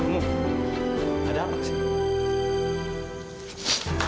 kamu ada apa sih